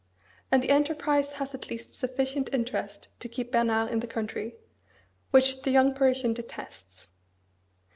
And the enterprise has at least sufficient interest to keep Bernard in the country, which the young Parisian detests.